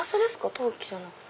陶器じゃなくて。